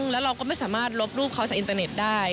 แล้วเราก็ไม่สามารถลบรูปเขาจากอินเตอร์เน็ตได้